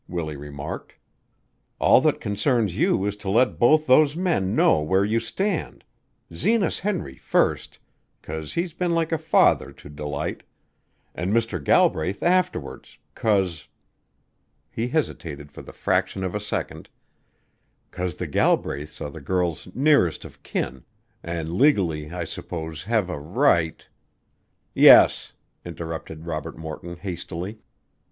Willie remarked. "All that concerns you is to let both those men know where you stand Zenas Henry first, 'cause he's been like a father to Delight; an' Mr. Galbraith afterwards, 'cause " he hesitated for the fraction of a second, "'cause the Galbraiths are the girl's nearest of kin an' legally, I s'pose, have a right " "Yes," interrupted Robert Morton hastily.